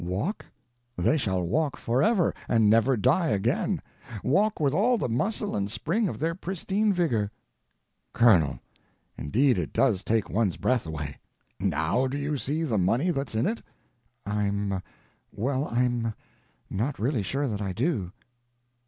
Walk?—they shall walk forever, and never die again. Walk with all the muscle and spring of their pristine vigor." "Colonel! Indeed it does take one's breath away." "Now do you see the money that's in it?" "I'm—well, I'm—not really sure that I do."